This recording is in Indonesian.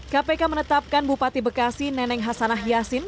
kpk menetapkan bupati bekasi neneng hasanah yassin